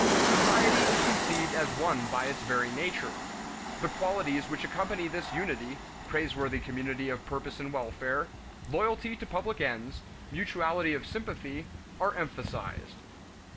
Society is conceived as one by its very nature. The qualities which accompany this unity, praiseworthy community of purpose and welfare, loyalty to public ends, mutuality of sympathy, are emphasized.